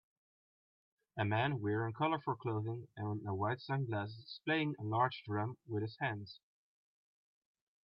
A man wearing colorful clothing and white sunglasses is playing a large drum with his hands.